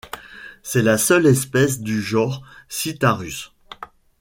C'est la seule espèce du genre Citharus.